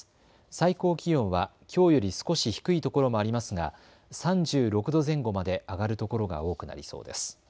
最高気温はきょうより少し低いところもありますが３６度前後まで上がるところが多くなりそうです。